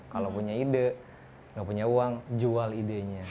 kalau punya ide nggak punya uang jual idenya